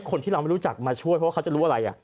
คนที่เราไม่รู้จักมาช่วยเพราะว่าเขาจะรู้อะไร